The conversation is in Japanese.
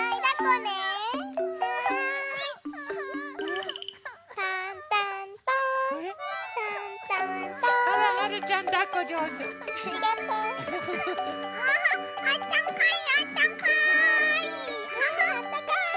ねえあったかい。